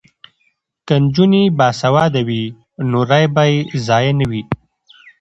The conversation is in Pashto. که نجونې باسواده وي نو رایې به یې ضایع نه وي.